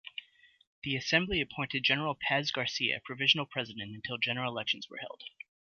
The Assembly appointed General Paz Garcia provisional president until general elections were held.